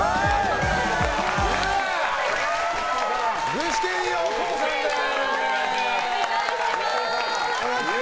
具志堅用高さんです！